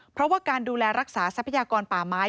เพราะว่าการดูแลรักษาทรัพยากรป่าไม้